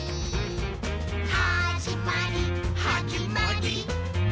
「はじまりはじまりー！」